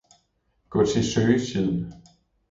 gå til søgesiden